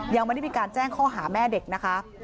ยังไม่ได้มีการแจ้งข้อหาแม่เด็กนะคะ